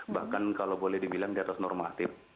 bahkan kalau boleh dibilang di atas normatif